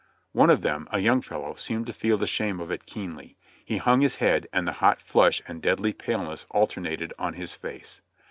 * One of them, a young fellow, seemed to feel the shame of it keenly. He hung his head and the hot flush and deadly paleness alternated on his face.